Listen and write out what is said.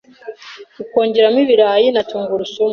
ukongeramo ibirayi na tungurusumu